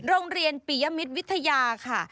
โรงเรียนปียมิตรวิทยาค่ะ